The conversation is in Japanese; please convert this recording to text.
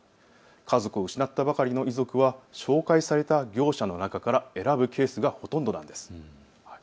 家族を失ったばかりの遺族は、紹介された業者の中から選ぶケースがほとんどです。